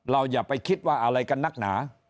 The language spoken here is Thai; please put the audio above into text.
อย่าไปคิดว่าอะไรกันนักหนา